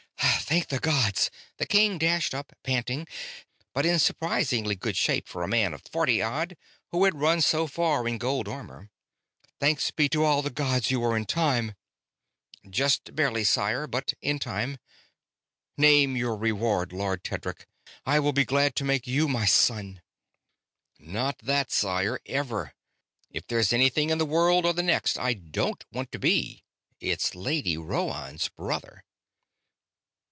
"Thank the gods!" The king dashed up, panting, but in surprisingly good shape for a man of forty odd who had run so far in gold armor. "Thanks be to all the gods you were in time!" "Just barely, sire, but in time." "Name your reward, Lord Tedric. I will be glad to make you my son." "Not that, sire, ever. If there's anything in this world or the next I don't want to be, it's Lady Rhoann's brother."